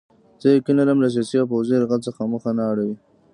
زه یقین لرم له سیاسي او پوځي یرغل څخه مخ نه اړوي.